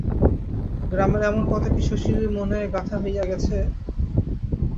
গ্রামের এমন কত কী শশীর মনে গাথা হইয়া আছে।